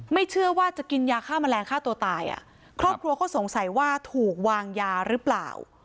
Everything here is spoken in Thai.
ไม่เชื่อว่าจะกินยาฆ่าแมลงฆ่าตัวตายอ่ะครอบครัวเขาสงสัยว่าถูกวางยาหรือเปล่า